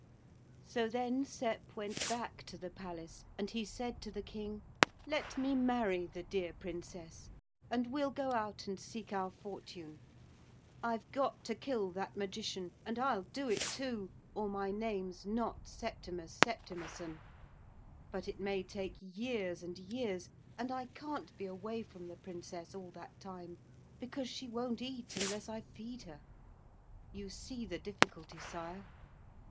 So then Sep went back to the palace, and he said to the King: 'Let me marry the dear Princess, and we'll go out and seek our fortune. I've got to kill that Magician, and I'll do it too, or my name's not Septimus Septimusson. But it may take years and years, and I can't be away from the Princess all that time, because she won't eat unless I feed her. You see the difficulty, Sire?'